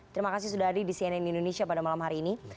terima kasih sudah hadir di cnn indonesia pada malam hari ini